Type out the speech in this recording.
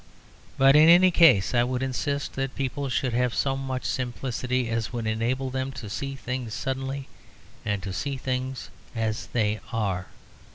But, in any case, I would insist that people should have so much simplicity as would enable them to see things suddenly and to see things as they are.